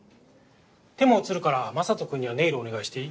手も写るから雅人君にはネイルお願いしていい？